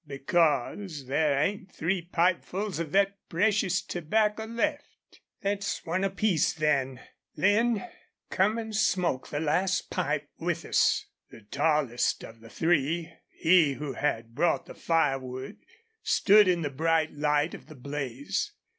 "Because there ain't three pipefuls of thet precious tobacco left." "Thet's one apiece, then.... Lin, come an' smoke the last pipe with us." The tallest of the three, he who had brought the firewood, stood in the bright light of the blaze.